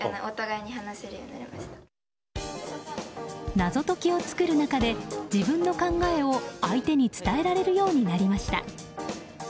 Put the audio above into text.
謎解きを作る中で自分の考えを相手に伝えられるようになりました。